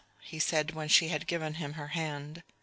he said when she had given him her hand.